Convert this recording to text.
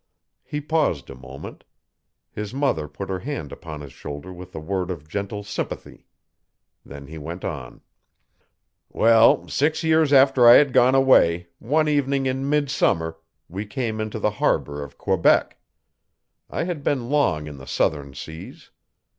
He paused a moment. His mother put her hand upon his shoulder with a word of gentle sympathy. Then he went on. 'Well, six years after I had gone away, one evening in midsummer, we came into the harbour of Quebec. I had been long in the southern seas.